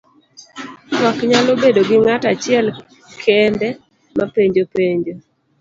Twak nyalo bedo gi ng'ato achiel kende mapenjo penjo.